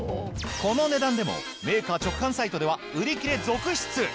この値段でもメーカー直販サイトでは売り切れ続出！